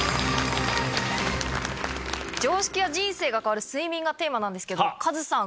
常識や人生が変わる睡眠がテーマなんですけどもカズさん